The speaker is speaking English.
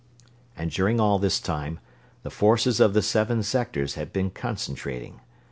And during all this time the forces of the seven sectors had been concentrating.